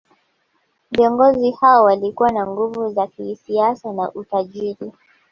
Viongozi hao walikuwa na nguvu za kisiasa na utajiri